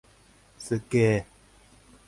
すっげー！